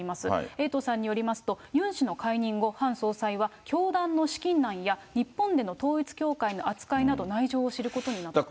エイトさんによりますと、ユン氏の解任後、ハン総裁は教団の資金難や、日本での統一教会の扱いなど内情を知ることになると。